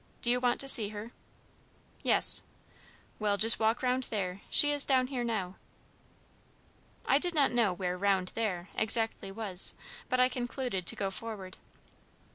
Do you want to see her?" "Yes." "Well, just walk round there. She is down here now." I did not know where "round there" exactly was, but I concluded to go forward.